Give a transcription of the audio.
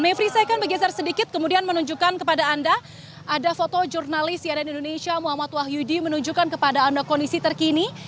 mevri saya akan bergeser sedikit kemudian menunjukkan kepada anda ada foto jurnalis cnn indonesia muhammad wahyudi menunjukkan kepada anda kondisi terkini